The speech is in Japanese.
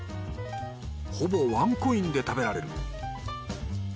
ほぼワンコインで食べられる。